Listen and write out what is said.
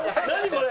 これ。